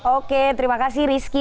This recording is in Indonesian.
oke terima kasih rizky